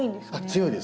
強いです。